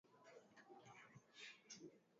wa joto halijoto inapita lakini wakati wa baridi